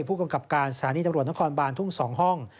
ผู้กำกับการสถานีตำรวจนครบานทุ่ง๒ห้อง